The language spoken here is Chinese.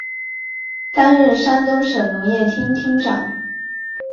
担任山东省农业厅厅长。